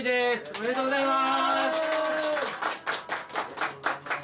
ありがとうございます。